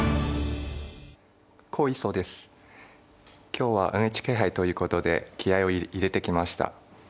今日はＮＨＫ杯ということで気合いを入れてきました。